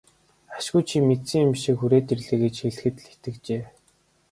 Ашгүй чи мэдсэн юм шиг хүрээд ирлээ гэж хэлэхэд л итгэжээ.